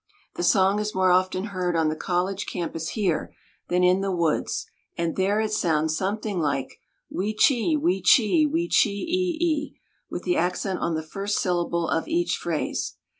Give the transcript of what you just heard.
The song is more often heard on the college campus here than in the woods, and there it sounds something like this: "Wee chee wee chee wee chee e e e," with the accent on the first syllable of each phrase.